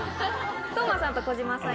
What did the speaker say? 當真さんと小島さん